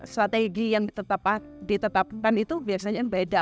strategi yang ditetapkan itu biasanya beda